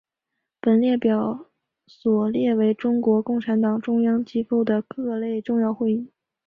本列表所列为中国共产党中央机构的各类重要会议。